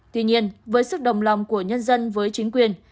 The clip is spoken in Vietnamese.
tuy nhiên với sức đồng lòng của nhân dân với chính quyền